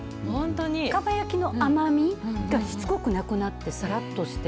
かば焼きの甘みがしつこくなくなってさらっとして。